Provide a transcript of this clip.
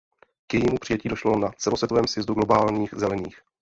K jejímu přijetí došlo na celosvětovém sjezdu Globálních zelených.